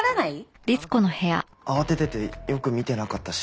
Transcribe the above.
あの時は慌てててよく見てなかったし。